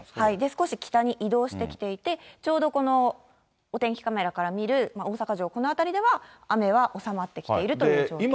少し北に移動してきていて、ちょうどこのお天気カメラから見る大阪城、この辺りでは雨は収まってきているという状況です。